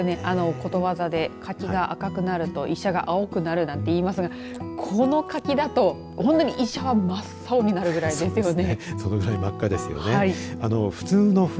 ことわざで柿が赤くなると医者が青くなるなんて言いますがこの柿だと本当に医者は真っ青になるくらいですよね。